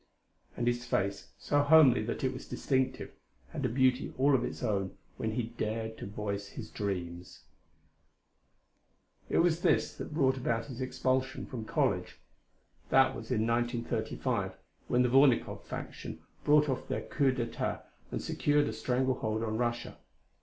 And his face, so homely that it was distinctive, had a beauty all its own when he dared to voice his dreams. It was this that brought about his expulsion from college. That was in 1935 when the Vornikoff faction brought off their coup d'etat and secured a strangle hold on Russia.